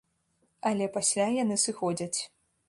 Але пасля яны сыходзяць.